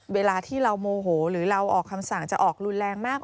เวลาที่เราโมโหหรือเราออกคำสั่งจะออกรุนแรงมาก